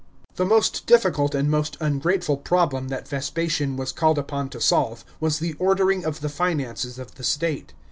§ 5. The most difficult and most ungrateful problem that Vespasian was called upon to solve was the ordering of the finances of the state.